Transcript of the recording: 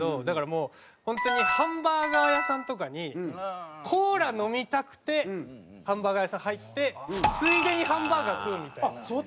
だからもう本当にハンバーガー屋さんとかにコーラ飲みたくてハンバーガー屋さん入ってついでにハンバーガー食うみたいな。